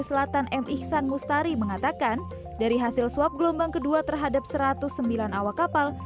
selatan m ihsan mustari mengatakan dari hasil swab gelombang kedua terhadap satu ratus sembilan awak kapal